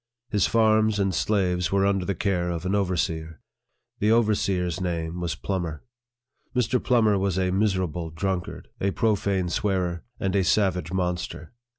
His farms and slaves were under the care of an overseer. The overseer's name was Plum mer. Mr. Plummer was a miserable drunkard, a pro fane swearer, and a savage monster.